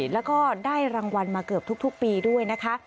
แล้วก็ได้รางวัลมาเกือบทุกปีด้วยนะคะ